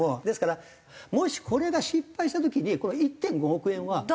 ですからもしこれが失敗した時にこの１．５億円は。